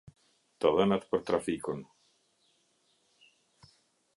Të dhënat për trafikun.